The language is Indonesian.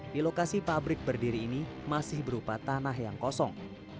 di lokasi pabrik berdiri ini masih berupa tanah yang kosong